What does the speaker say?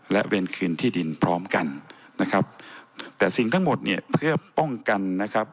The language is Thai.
และเวรคืนที่ดินพร้อมกันนะครับแต่สิ่งทั้งหมดเนี่ยเพื่อป้องกันนะครับ